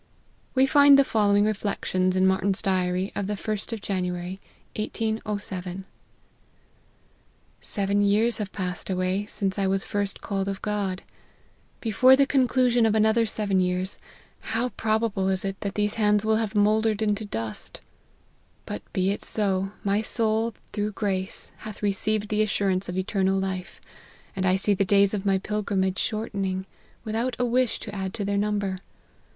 We find the following reflections in Martyn's diary of the 1st of January, 1807 :" Seven years have passed away since I was first called of God. Before the conclusion of another seven years, how probable is it, that these hands 92 x LIFE OF HENRY MARTYN. will have mouldered into dust ! But be it so : my soul, through grace, hath received the assurance of eternal life, and I see the days of my pilgrimage shortening, without a wish to add to their number.